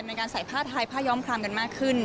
ในการใส่ผ้าไทยผ้าย้อมพรามกันมากขึ้น